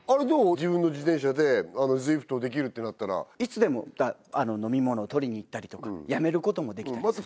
自分の自転車でズイフトできるってなったらいつでも飲み物を取りにいったりとかやめることもできたりするあと